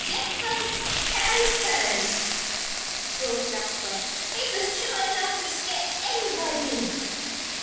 "Jefers pelters!" croaked Jasper. "It was enough to scare anybody!"